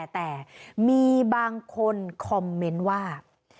แต่มีบางคนคอมเมนต์ว่า